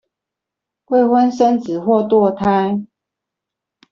未婚生子或墮胎